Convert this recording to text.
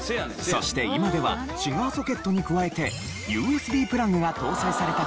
そして今ではシガーソケットに加えてＵＳＢプラグが搭載された車が多くなりました。